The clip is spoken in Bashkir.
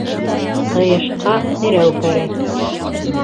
Ҡыйышҡа терәү кәрәк.